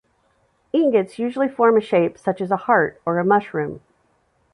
Ingots usually form a shape such as a heart or a mushroom.